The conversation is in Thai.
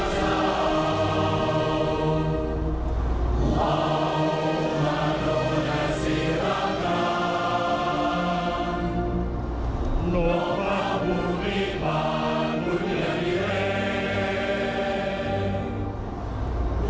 สิระกรานโน่นพระมุมิปันคุณแห่งเหรียญ